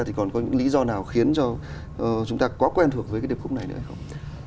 thì còn có những lý do nào khiến cho chúng ta quá quen thuộc với cái điệp khúc này nữa hay không